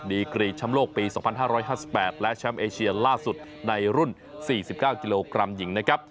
ดีกรีแชมป์โลกปี๒๕๕๘และแชมป์เอเชียล่าสุดในรุ่น๔๙กิโลกรัมหญิงนะครับ